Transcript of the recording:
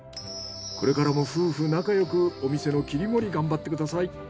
これからも夫婦仲良くお店の切り盛り頑張ってください。